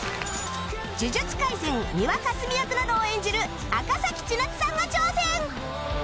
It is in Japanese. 『呪術廻戦』三輪霞役などを演じる赤千夏さんが挑戦！